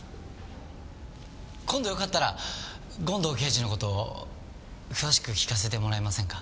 今度よかったら権藤刑事の事詳しく聞かせてもらえませんか？